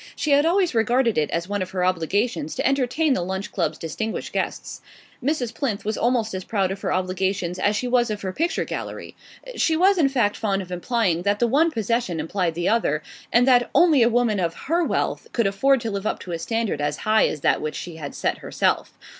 She had always regarded it as one of her obligations to entertain the Lunch Club's distinguished guests. Mrs. Plinth was almost as proud of her obligations as she was of her picture gallery; she was in fact fond of implying that the one possession implied the other, and that only a woman of her wealth could afford to live up to a standard as high as that which she had set herself.